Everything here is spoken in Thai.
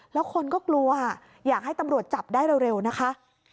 แล้วคนก็กลัวอยากให้ตำรวจจับได้เร็วนะคะ